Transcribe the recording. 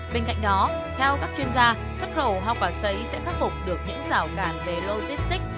bên cạnh đó theo các chuyên gia xuất khẩu hoa quả xấy sẽ khắc phục được những rào cản về logistics